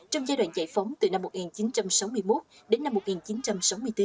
trong giai đoạn giải phóng từ năm một nghìn chín trăm sáu mươi một đến năm một nghìn chín trăm sáu mươi bốn